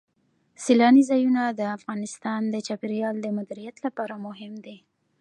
سیلانی ځایونه د افغانستان د چاپیریال د مدیریت لپاره مهم دي.